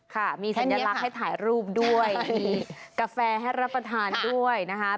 ค่ะมีสัญลักษณ์ให้ถ่ายรูปด้วยมีกาแฟให้รับประทานด้วยนะคะ